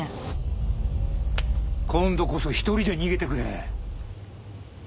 今度こそ１人で逃げてくれ。